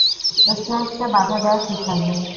স্ট্রেঞ্জকে বাধা দেয়া ঠিক হয়নি।